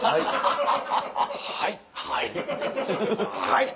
「はい！」。